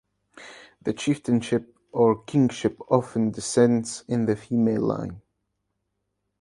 The chieftainship or kingship often descends in the female line.